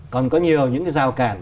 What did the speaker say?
còn có nhiều những giao cản